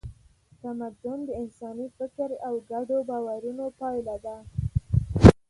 تمدن د انساني فکر او ګډو باورونو پایله ده.